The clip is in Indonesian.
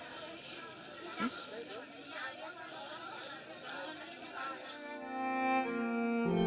semoga dapat dikhawatirkan